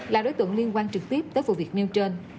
là đối tượng liên quan trực tiếp tới vụ việc nêu trên